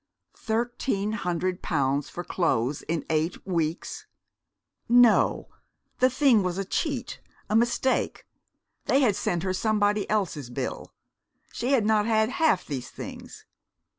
Thirteen hundred pounds for clothes in eight weeks! No, the thing was a cheat, a mistake. They had sent her somebody else's bill. She had not had half these things.